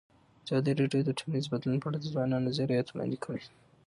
ازادي راډیو د ټولنیز بدلون په اړه د ځوانانو نظریات وړاندې کړي.